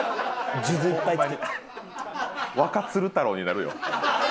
若鶴太郎になるよ。